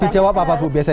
dijawab apa bu biasa ya bu